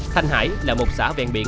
thanh hải là một xã vẹn biển